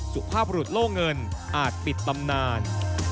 สุภาพบรุษโล่เงินอาจปิดตำนาน